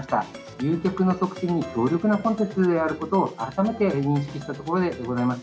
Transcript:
誘客の促進に強力なコンテンツであることを、改めて認識したところでございます。